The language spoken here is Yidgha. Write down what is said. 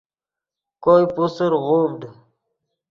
کوئے پوسر غوڤڈ